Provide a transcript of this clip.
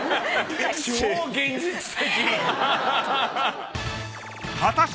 超現実的。